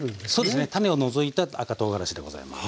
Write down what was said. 種を除いた赤とうがらしでございます。